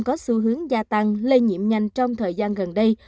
có xu hướng gia tăng lây nhiễm nhanh trong thời gian gần đây